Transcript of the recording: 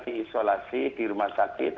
diisolasi di rumah sakit